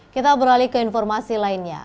kita beralih ke informasi lainnya